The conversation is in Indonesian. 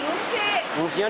ngungsinya di mana